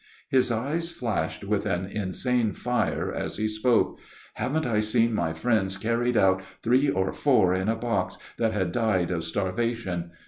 His eyes flashed with an insane fire as he spoke, "Haven't I seen my friends carried out three or four in a box, that had died of starvation!